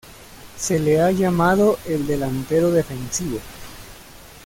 Se le ha llamado el delantero defensivo.